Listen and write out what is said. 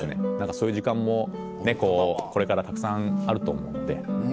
そういう時間もこれからたくさんあると思うので。